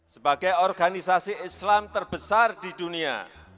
sebagai organisasi islam terbesar di dunia